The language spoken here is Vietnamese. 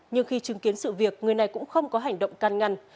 nhưng khi chứng kiến sự việc người này cũng không có hành động can ngăn